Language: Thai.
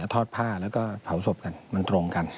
ทอดผ้าแล้วก็เผาศพกันมันตรงกัน